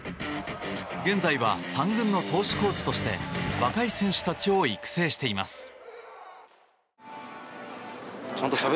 現在は３軍の投手コーチとして若い選手たちを育成しています。